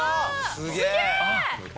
すげえ！